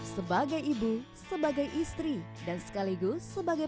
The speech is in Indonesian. sebagai ibu sebagai istri dan sekaligus sebagai